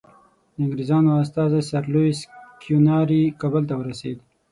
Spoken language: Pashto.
د انګریزانو استازی سر لویس کیوناري کابل ته ورسېد.